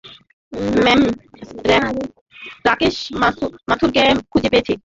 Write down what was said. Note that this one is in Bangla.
ম্যাম, রাকেশ মাথুরকে খুঁজে পেয়েছি।